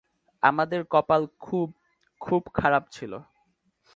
আমাদের কপাল খুব, খুব খারাপ ছিল।